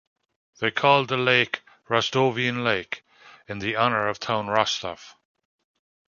They called the lake "Rostovian Lake" in the honor of town Rostov.